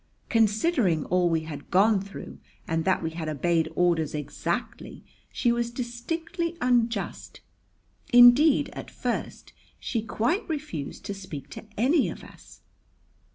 Considering all we had gone through and that we had obeyed orders exactly, she was distinctly unjust. Indeed, at first she quite refused to speak to any of us.